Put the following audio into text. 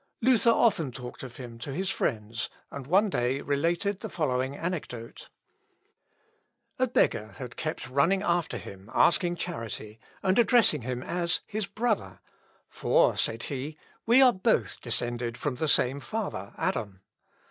Luther often talked of him to his friends, and one day related the following anecdote. A beggar had kept running after him asking charity, and addressing him as his brother; "for," said he, "we are both descended from the same father, Adam.